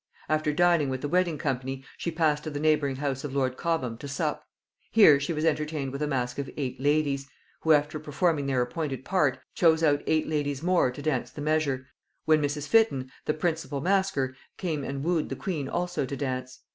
After dining with the wedding company, she passed to the neighbouring house of lord Cobham to sup. Here she was entertained with a mask of eight ladies, who, after performing their appointed part, chose out eight ladies more to dance the measure, when Mrs. Fitton the principal masker came and "wooed" the queen also to dance.